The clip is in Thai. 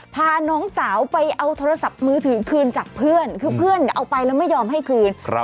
พาน้องสาวไปเอาโทรศัพท์มือถือคืนจากเพื่อนคือเพื่อนเอาไปแล้วไม่ยอมให้คืน